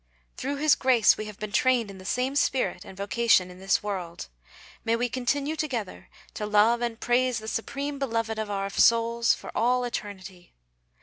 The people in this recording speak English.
Through His grace we have been trained in the same spirit and vocation in this world; may we continue together to love and praise the supreme Beloved of our souls for all eternity.